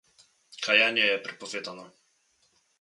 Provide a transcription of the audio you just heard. Kajenje je prepovedano.